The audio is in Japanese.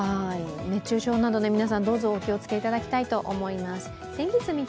熱中症など皆さん、どうぞお気をつけいただきたいと思います。